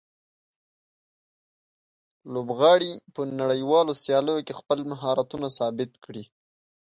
لوبغاړي په نړیوالو سیالیو کې خپل مهارتونه ثابت کړي.